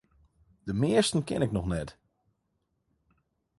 De measten ken ik noch net.